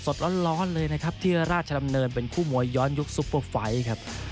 สดร้อนเลยนะครับที่ราชดำเนินเป็นคู่มวยย้อนยุคซุปเปอร์ไฟต์ครับ